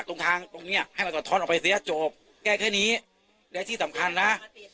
ตรงทางตรงเนี้ยให้มันสะท้อนออกไปเสียจบแก้แค่นี้และที่สำคัญนะ